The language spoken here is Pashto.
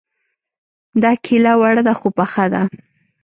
دا کيله وړه ده خو پخه ده